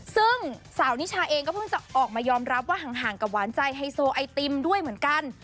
ซึ่งสาวนิชาเองก็เพิ่งจะออกมายอมรับว่าห่างกับหวานใจไฮโซไอติมด้วยเหมือนกัน